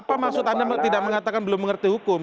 apa maksud anda tidak mengatakan belum mengerti hukum